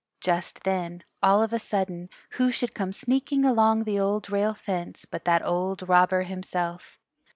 Just then, all of a sudden, who should come sneaking along the Old Rail Fence but that old robber himself.